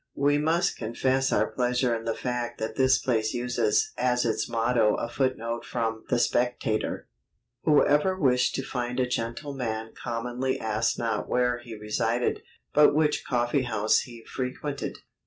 We must confess our pleasure in the fact that this place uses as its motto a footnote from The Spectator "Whoever wished to find a gentleman commonly asked not where he resided, but which coffee house he frequented."